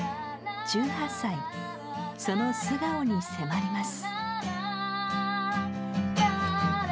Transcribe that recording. １８歳その素顔に迫ります。